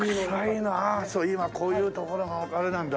そう今こういうところがあれなんだ。